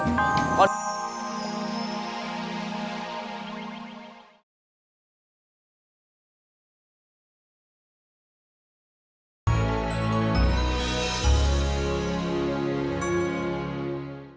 ya udah kamu yang duluan